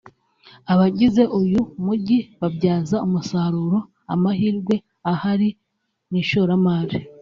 abagize uyu mujyi babyaza umusaruro amahirwe ahari mu ishoramari